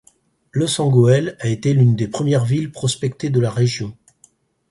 Loos-en-Gohelle a été l’une des premières villes prospectées de la région.